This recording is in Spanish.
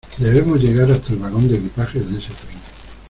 ¡ Debemos llegar hasta el vagón de equipajes de ese tren!